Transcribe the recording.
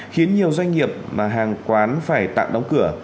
khiến nhiều doanh nghiệp mà hàng quán phải tạm đóng cửa